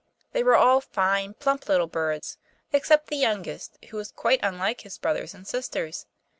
They were all fine, plump little birds, except the youngest, who was quite unlike his brothers and sisters.